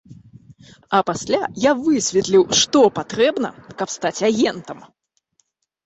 А пасля я высветліў, што патрэбна, каб стаць агентам.